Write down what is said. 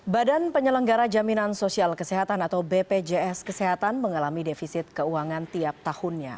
badan penyelenggara jaminan sosial kesehatan atau bpjs kesehatan mengalami defisit keuangan tiap tahunnya